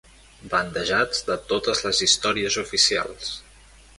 Bandejats de totes les històries oficials.